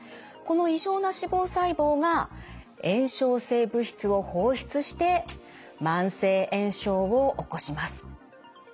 この異常な脂肪細胞が炎症性物質を放出して慢性炎症を起こします。